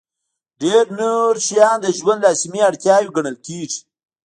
ډېر نور شیان د ژوند لازمي اړتیاوې ګڼل کېږي.